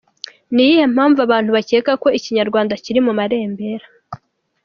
Ni iyihe mpamvu abantu bakeka ko Ikinyarwanda kiri mu marembera ?.